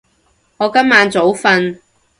我今晚早瞓